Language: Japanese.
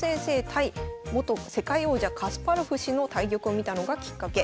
対元世界王者カスパロフ氏の対局を見たのがきっかけ。